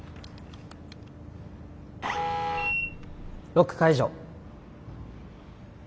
ロック解除。